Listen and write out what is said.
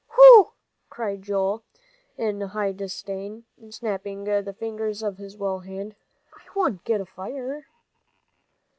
"Phoo!" cried Joel, in high disdain, and snapping the fingers of his well hand, "I wouldn't get afire."